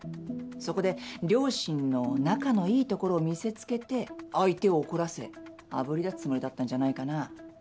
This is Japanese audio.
そこで両親の仲のいいところを見せつけて相手を怒らせあぶり出すつもりだったんじゃないかな。